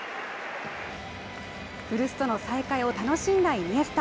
古巣との再会を楽しんだイニエスタ。